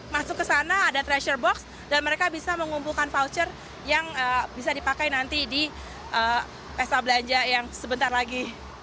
masuk ke sana ada treasure box dan mereka bisa mengumpulkan voucher yang bisa dipakai nanti di pesta belanja yang sebentar lagi